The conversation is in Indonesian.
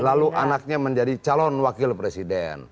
lalu anaknya menjadi calon wakil presiden